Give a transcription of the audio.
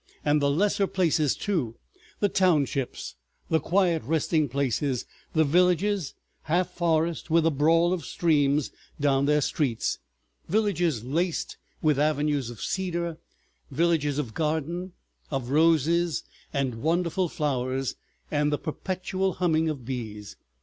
And the lesser places, too, the townships, the quiet resting places, villages half forest with a brawl of streams down their streets, villages laced with avenues of cedar, villages of garden, of roses and wonderful flowers and the perpetual humming of bees.